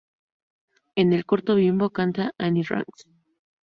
En el corto Bimbo canta "Any Rags?